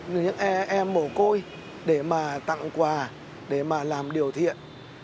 những em mổ côi để mà tặng quà để mà làm điều thiện